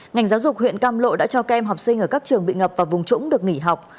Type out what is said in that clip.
ngành giáo dục huyện cam lộ đã cho kem học sinh ở các trường bị ngập và vùng trũng được nghỉ học